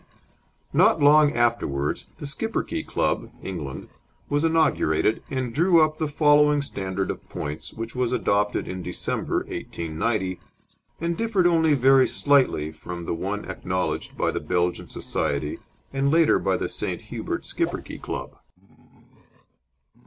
Not long afterwards the Schipperke Club (England) was inaugurated, and drew up the following standard of points, which was adopted in December, 1890, and differed only very slightly from the one acknowledged by the Belgian society and later by the St. Hubert Schipperke Club.